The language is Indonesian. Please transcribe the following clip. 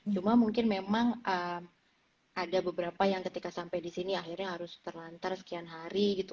cuma mungkin memang ada beberapa yang ketika sampai di sini akhirnya harus terlantar sekian hari gitu